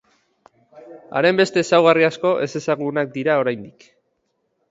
Haren beste ezaugarri asko ezezagunak dira oraindik.